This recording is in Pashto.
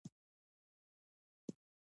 مزارشریف د افغانستان د پوهنې نصاب کې شامل دي.